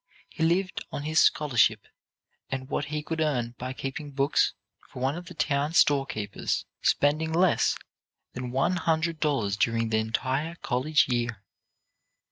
He lived on his scholarship and what he could earn by keeping books for one of the town storekeepers, spending less than one hundred dollars during the entire college year.